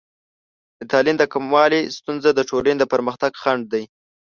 د تعلیم د کموالي ستونزه د ټولنې د پرمختګ خنډ دی.